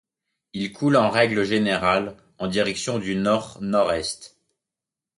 Il coule en règle générale en direction du nord-nord-est.